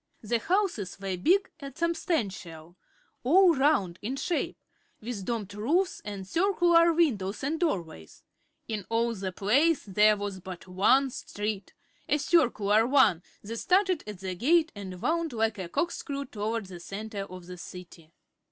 The houses were big and substantial, all round in shape, with domed roofs and circular windows and doorways. In all the place there was but one street a circular one that started at the gate and wound like a corkscrew toward the center of the City.